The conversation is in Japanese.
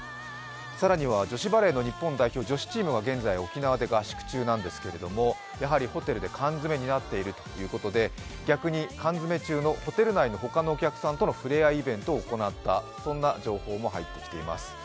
更には女子バレーの日本代表、女子チームが現在、沖縄で合宿中なんですけれどもやはりホテルで缶詰になっているということで逆に缶詰中のホテル内の他のお客さんとの触れ合いイベントを行った、そんな情報も入ってきています。